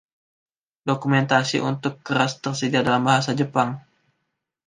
Dokumentasi untuk Keras tersedia dalam bahasa Jepang.